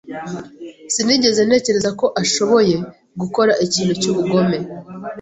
Sinigeze ntekereza ko ashoboye gukora ikintu cyubugome.